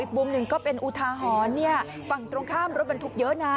มุมหนึ่งก็เป็นอุทาหรณ์ฝั่งตรงข้ามรถบรรทุกเยอะนะ